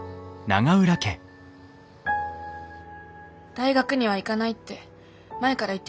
大学には行かないって前がら言ってだよね？